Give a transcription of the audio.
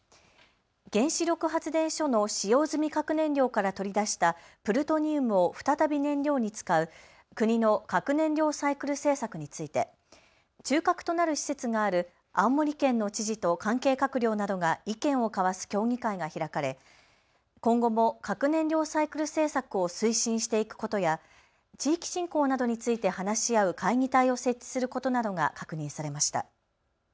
原子力発電所の使用済み核燃料から取り出したプルトニウムを再び燃料に使う国の核燃料サイクル政策について中核となる施設がある青森県の知事と関係閣僚などが意見を交わす協議会が開かれ今後も核燃料サイクル政策を推進していくことや地域振興などについて話し合う会議体を設置することなどが確認されました。